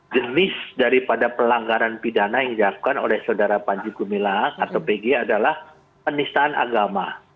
jenis daripada pelanggaran pidana yang dilakukan oleh saudara panji gumilang atau pg adalah penistaan agama